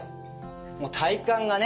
もう体幹がね